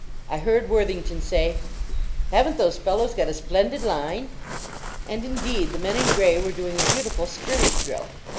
I heard Worthington say, "Haven t those fellows got a splendid line?" And indeed the men in gray were doing a beautiful skirmish drill.